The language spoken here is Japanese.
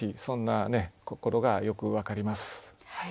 そんな心がよく分かります。